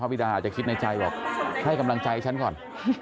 พี่ดาอาจจะคิดในใจบอกให้กำลังใจฉันก่อน